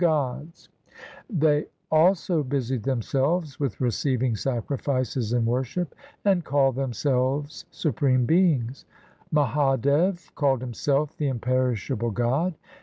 COMPOSITIONS OF GURU GOBIND SINGH 297 They also busied themselves with receiving sacrifices and worship, And called themselves supreme beings. Mahadev called himself the imperishable God.